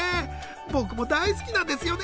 僕も大好きなんですよね。